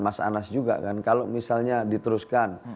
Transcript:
mas anas juga kan kalau misalnya diteruskan